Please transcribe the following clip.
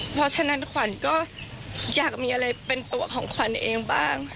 เพราะฉะนั้นขวัญก็อยากมีอะไรเป็นตัวของขวัญเองบ้าง